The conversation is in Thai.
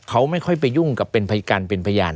เขาไม่ค่อยไปยุ่งกับเป็นพยานเป็นพยาน